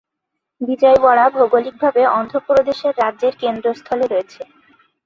বিজয়ওয়াড়া ভৌগলিকভাবে অন্ধ্রপ্রদেশের রাজ্যের কেন্দ্রস্থলে রয়েছে।